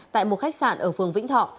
tại một khách sạn ở phường vĩnh thọ